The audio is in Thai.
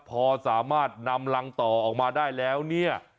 พอสามารถนำรังต่อออกมาได้แล้วเนี่ย